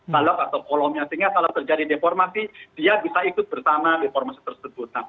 balok atau kolomnya sehingga kalau terjadi deformasi dia bisa ikut bersama reformasi tersebut